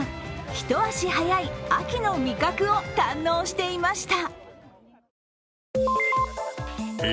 一足早い秋の味覚を堪能していました。